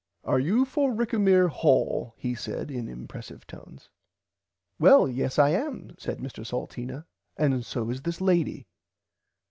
Are you for Rickamere Hall he said in impressive tones. Well yes I am said Mr Salteena and so is this lady.